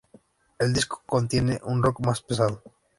El disco contiene un rock más pesado.